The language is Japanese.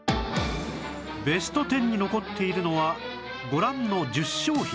ベスト１０に残っているのはご覧の１０商品